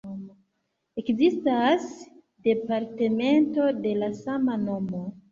Ekzistas departemento de la sama nomo.